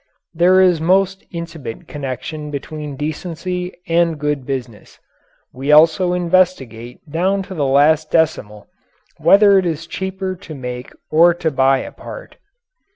There is most intimate connection between decency and good business. We also investigate down to the last decimal whether it is cheaper to make or to buy a part.